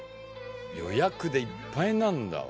予約でいっぱいなんだわ。